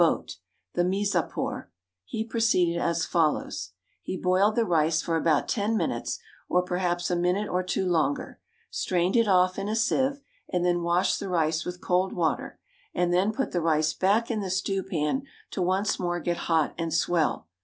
boat (the Mizapore); he proceeded as follows: He boiled the rice for about ten minutes, or perhaps a minute or two longer, strained it off in a sieve, and then washed the rice with cold water, and then put the rice back in the stew pan to once more get hot and swell.